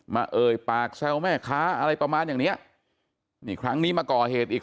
เอ่ยปากแซวแม่ค้าอะไรประมาณอย่างเนี้ยนี่ครั้งนี้มาก่อเหตุอีก